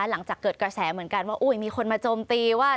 หลังจากเกิดกระแสเหมือนกันว่ามีคนมาโจมตีว่า